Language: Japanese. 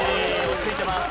落ち着いてます。